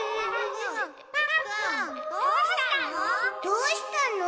どうしたの？